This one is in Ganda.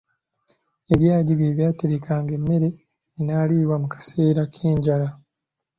Ebyagi bye byaterekanga emmere enaaliibwa mu kaseera k'enjala.